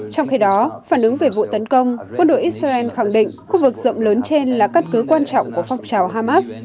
trong khi đó phản ứng về vụ tấn công quân đội israel khẳng định khu vực rộng lớn trên là cắt cứu quan trọng của phong trào hamas